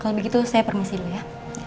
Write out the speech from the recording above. kalau begitu saya permisi dulu ya